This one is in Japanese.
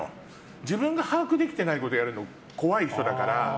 自分が把握できてないことをやるの怖い人だから。